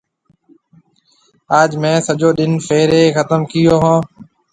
آج مهيَ سجو ڏن ڦرِيَ ختم ڪئيو هيَ۔